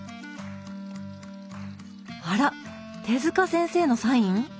あら手塚先生のサイン？